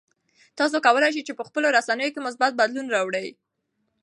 تاسو کولای شئ چې په خپلو رسنیو کې مثبت بدلون راولئ.